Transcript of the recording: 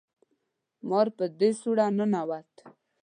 مار په دې سوړه ننوت